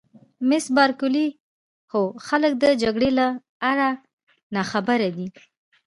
مس بارکلي: هو خلک د جګړې له آره ناخبره دي.